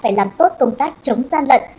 phải làm tốt công tác chống gian lận